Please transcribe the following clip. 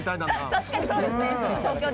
確かにそうですね。